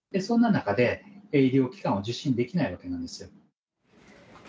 そんな中で、医療機関を受診できないわけなんですよ。